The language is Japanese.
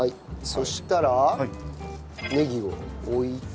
そしたらネギを置いて。